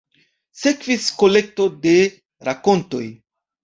Sekvis kolekto de rakontoj".